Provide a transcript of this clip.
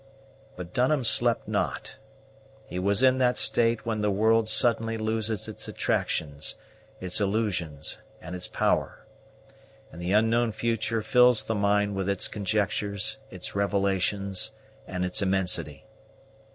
But Dunham slept not; he was in that state when the world suddenly loses its attractions, its illusions, and its power; and the unknown future fills the mind with its conjectures, its revelations, and its immensity.